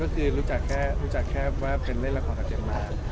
คือคือรู้จักแค่ว่าได้เป็นเล่นละครแบบเจมส์มา